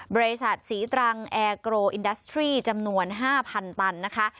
บริษัทศรีตรังแอร์โกรอินดัสทรี่จำนวน๕๐๐๐ตันนะคะ